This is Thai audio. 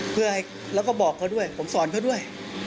เพื่อให้แล้วก็บอกเขาด้วยผมสอนเขาด้วย